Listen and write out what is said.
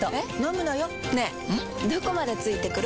どこまで付いてくる？